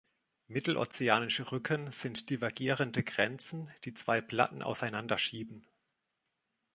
Mittelozeanische Rücken sind divergierende Grenzen, die zwei Platten auseinander schieben.